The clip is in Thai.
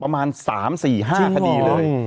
ประมาณ๓๔๕คดีเลย